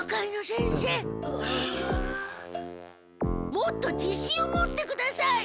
もっとじしんを持ってください！